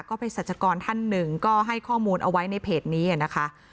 เพศรัชกรท่านหนึ่งก็ให้ข้อมูลเอาไว้ในเพจนี้นะคะ